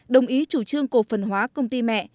đồng ý chủ trương cổ phần hóa công ty mẹ